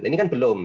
ini kan belum